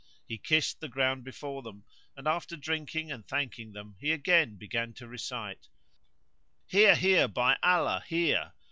He kissed the ground before them; and, after drinking and thanking them, he again began to recite : "Here! Here! by Allah, here!